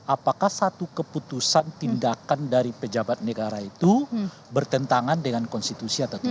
apakah satu keputusan tindakan dari pejabat negara itu bertentangan dengan konstitusi atau tidak